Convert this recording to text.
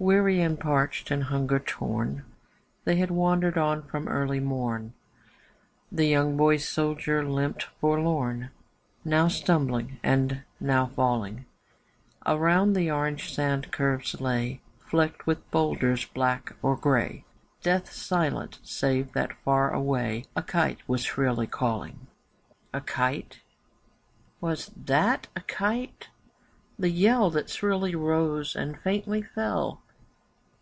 Weary and parched and hunger torn, They had wandered on from early morn, And the young boy soldier limped forlorn, Now stumbling and now falling. Around the orange sand curves lay, Flecked with boulders, black or grey, Death silent, save that far away A kite was shrilly calling. A kite? Was that a kite? The yell That shrilly rose and faintly fell?